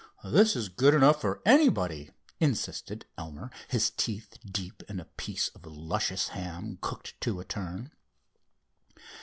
"This is good enough for anybody," insisted Elmer, his teeth deep in a piece of luscious ham cooked to a turn.